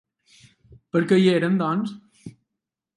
Per què hi eren, doncs?